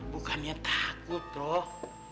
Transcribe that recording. bukannya takut roh